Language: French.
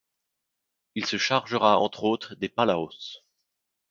Il se chargera entre autres des Palaos.